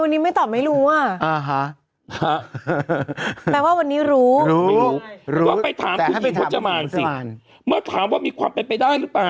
ทำไมวันนี้ไม่ตอบไม่รู้อะ